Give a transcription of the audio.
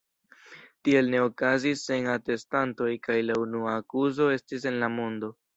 Tiel ne okazis sen atestantoj kaj la unua akuzo estis en la mondo.